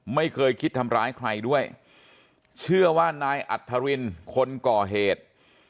ไม่เคยคิดทำร้ายใครด้วยเชื่อว่านายอัธรินคนก่อเหตุ